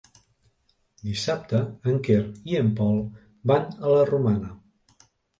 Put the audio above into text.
Dissabte en Quer i en Pol van a la Romana.